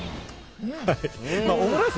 オムライス